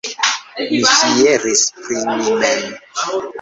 Mi fieris pri mi mem!